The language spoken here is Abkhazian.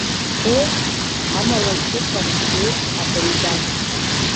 Ее, амалакрыфа, ее, абаҩдан!